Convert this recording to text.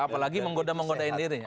apalagi menggoda menggodain dirinya